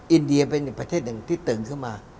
อินเดียเป็นอีกประเทศหนึ่งที่ตื่นขึ้นมา